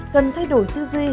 cần thay đổi tư duy